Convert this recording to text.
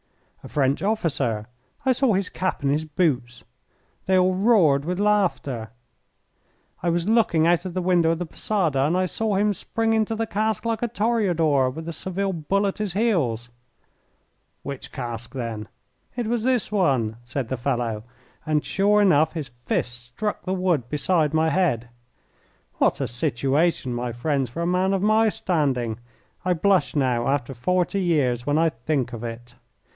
"A French officer; I saw his cap and his boots." They all roared with laughter. "I was looking out of the window of the posada and I saw him spring into the cask like a toreador with a Seville bull at his heels." "Which cask, then?" "It was this one," said the fellow, and sure enough his fist struck the wood beside my head. What a situation, my friends, for a man of my standing! I blush now, after forty years, when I think of it.